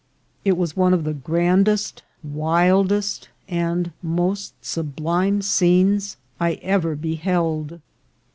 It was one of the grandest, wildest, and most sublime scenes I ever be held.